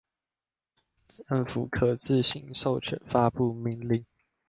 政府可自行授權發布命令